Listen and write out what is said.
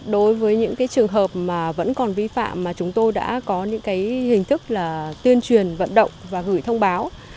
đối với những trường hợp mà vẫn còn vi phạm mà chúng tôi đã có những hình thức là tuyên truyền vận động và gửi thông báo